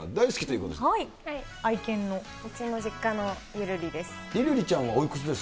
うちの実家のゆるりです。